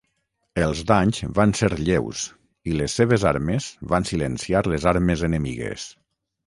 Els danys van ser lleus i les seves armes van silenciar les armes enemigues.